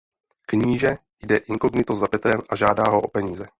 Kníže jde inkognito za Petrem a žádá ho o peníze.